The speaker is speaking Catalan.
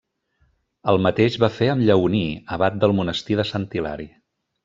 El mateix va fer amb Lleoní, abat del monestir de Sant Hilari.